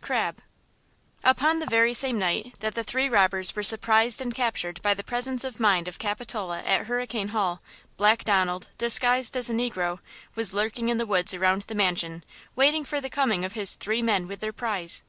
–CRABBE. UPON the very same night, that the three robbers were surprised and captured by the presence of mind of Capitola at Hurricane Hall, Black Donald, disguised as a negro, was lurking in the woods around the mansion, waiting for the coming of his three men with their prize.